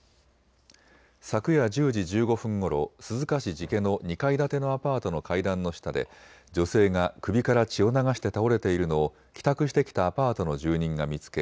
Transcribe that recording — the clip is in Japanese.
昨夜１０時１５分ごろ鈴鹿市寺家の２階建てのアパートの階段の下で女性が首から血を流して倒れているのを帰宅してきたアパートの住人が見つけ